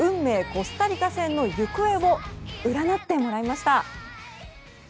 コスタリカ戦の行方を占ってもらいました。